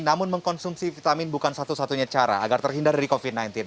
namun mengkonsumsi vitamin bukan satu satunya cara agar terhindar dari covid sembilan belas